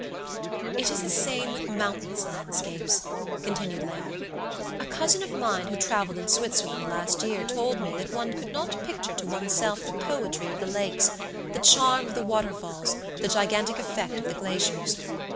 "It is the same with mountainous landscapes," continued Léon. "A cousin of mine who travelled in Switzerland last year told me that one could not picture to oneself the poetry of the lakes, the charm of the waterfalls, the gigantic effect of the glaciers.